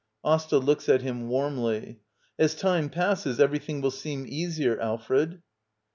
AsTA. [Looks at him warmly.] As time passes everything will seem easier, Alfred.